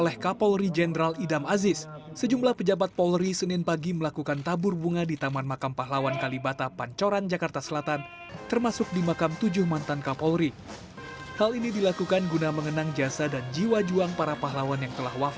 hari bayangkara tahun dua ribu dua puluh